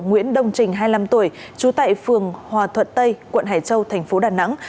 nguyễn đông trình hai mươi năm tuổi chú tệ phường hòa thuận tây quận hải châu tp đà nẵng